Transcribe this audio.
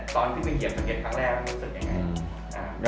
ตอนเช็บสังเชษแรกได้ยังไง